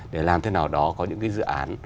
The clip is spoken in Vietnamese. để làm thế nào đó có những cái dự án